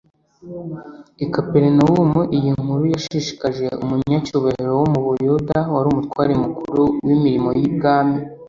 . I Kaperinawumu iyi nkuru yashishikaje umunyacyubahiro wo mu Bayuda wari umutware mukuru w’imirimo y’ibwami